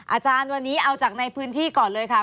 อาจารย์วันนี้เอาจากในพื้นที่ก่อนเลยค่ะ